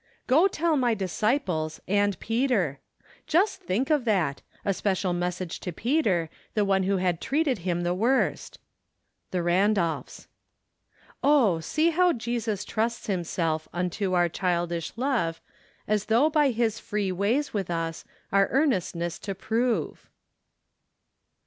Go tell my disciples — and Peter." Just think of that! A special message to Peter, the one who had treated him the worst. Tlic Randolphs. " Oh ! see hate Jesus trusts himself Unto our childish love , As though by his free ways with us , Our earnestness to prove."